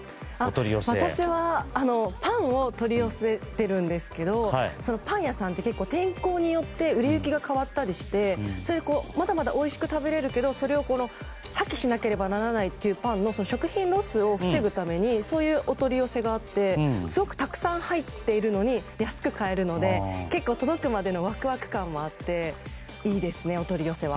私はパンを取り寄せてるんですけどパン屋さんって天候によって売れ行きが変わったりしてまだまだおいしく食べれるけどそれを破棄しなければならないというパンの食品ロスを防ぐためにそういうお取り寄せがあってたくさん入っているのに安く買えるので結構、届くまでのワクワク感もあっていいですね、お取り寄せは。